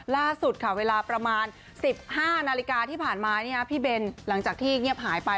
ล่าสุดค่ะเวลาประมาณ๑๕นาฬิกาที่ผ่านมาพี่เบนหลังจากที่เงียบหายไป